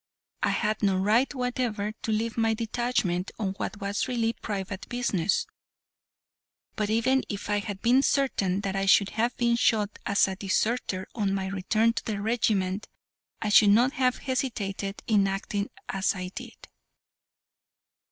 I had no right whatever to leave my detachment on what was really private business; but even if I had been certain that I should have been shot as a deserter on my return to the regiment, I should not have hesitated in acting as I did."